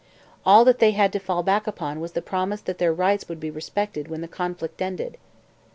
All that they had to fall back upon was the promise that their rights would be respected when the conflict ended.